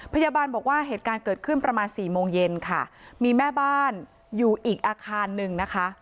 พยาบาลบอกว่าเหตุการณ์เกิดขึ้นประมาณสี่โมงเย็นค่ะมีแม่บ้านอยู่อีกอาคารหนึ่งนะคะ